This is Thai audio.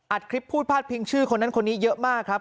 คลิปพูดพาดพิงชื่อคนนั้นคนนี้เยอะมากครับ